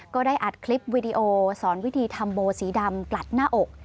ก็ได้อัดคลิปวิดีโอสอนวิธีทำโบสีดำกลัดหน้าอก